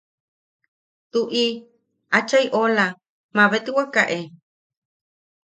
–Tuʼi, achai oʼola, mabetwaka e.